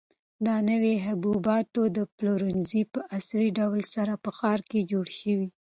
دا نوی د حبوباتو پلورنځی په عصري ډول سره په ښار کې جوړ شوی.